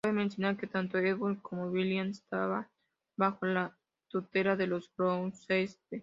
Cabe mencionar que tanto Edmund como William estaban bajo la tutela de los Gloucester.